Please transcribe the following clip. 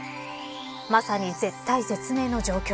まさに絶体絶命の状況。